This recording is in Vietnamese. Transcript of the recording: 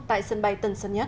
tại sân bay tân sân nhất